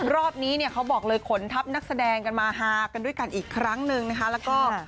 รอบนี้เนี่ยเขาบอกเลยขนทัพนักแสดงกันมาฮากันด้วยกันอีกครั้งหนึ่งนะคะแล้วก็